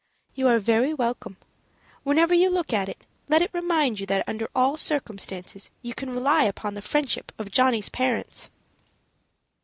"You are very welcome. Whenever you look at it, let it remind you that under all circumstances you can rely upon the friendship of Johnny's parents."